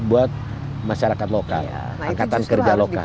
buat masyarakat lokal angkatan kerja lokal